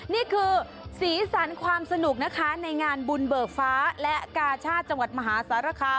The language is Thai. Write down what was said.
นี่คือสีสันความสนุกนะคะในงานบุญเบิกฟ้าและกาชาติจังหวัดมหาสารคาม